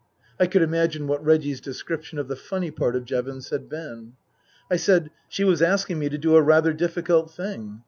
(I could imagine what Reggie's description of the funny part of Jevons had been.) I said, she was asking me to do a rather difficult thing.